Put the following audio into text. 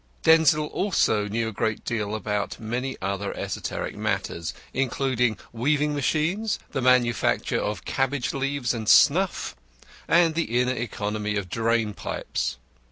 Denzil also knew a great deal about many other esoteric matters, including weaving machines, the manufacture of cabbage leaves and snuff, and the inner economy of drain pipes.